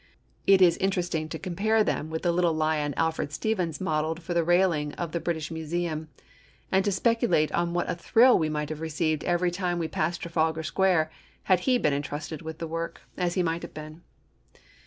It is interesting to compare them with the little lion Alfred Stevens modelled for the railing of the British Museum, and to speculate on what a thrill we might have received every time we passed Trafalgar Square, had he been entrusted with the work, as he might have been.